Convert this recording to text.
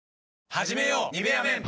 はじめよう「ニベアメン」